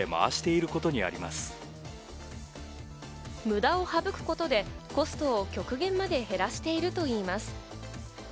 無駄を省くことでコストを極限まで減らしているといいます。